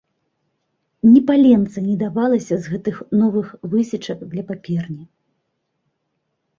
Ні паленца не давалася з гэтых новых высечак для паперні.